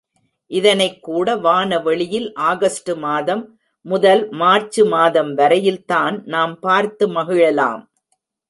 இதனைக் கூட வான வெளியில் ஆகஸ்டு மாதம் முதல் மார்ச்சு மாதம் வரையில் தான் நாம் பார்த்து மகிழலாம்.